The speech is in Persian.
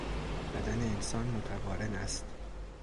بدن انسان متقارن است.